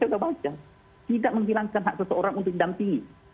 tidak menghilangkan hak seseorang untuk didampingi